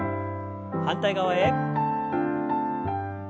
反対側へ。